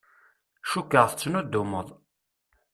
Cukkeɣ tettnuddumeḍ.